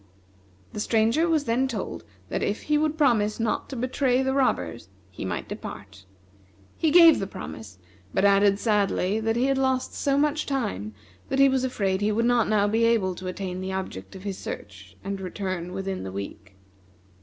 "The Stranger was then told that if he would promise not to betray the robbers he might depart. He gave the promise; but added sadly that he had lost so much time that he was afraid he would not now be able to attain the object of his search and return within the week.